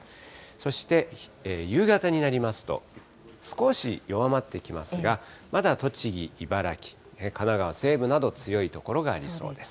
そして夕方になりますと、少し弱まってきますが、まだ栃木、茨城、神奈川西部など、強い所がありそうです。